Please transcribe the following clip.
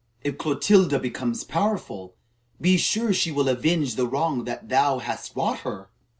If Clotilda become powerful, be sure she will avenge the wrong thou hast wrought her."